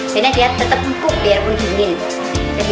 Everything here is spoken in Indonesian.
karena dia tetap empuk biarpun dingin